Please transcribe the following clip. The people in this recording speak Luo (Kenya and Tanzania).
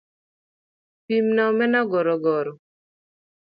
pimna omena gorogoro